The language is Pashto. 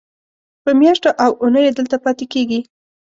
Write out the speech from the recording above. په میاشتو او اوونیو دلته پاتې کېږي.